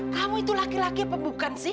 kamu itu laki laki apa bukan sih